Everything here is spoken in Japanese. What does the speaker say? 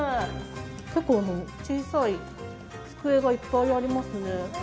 結構小さい机がいっぱいありますね。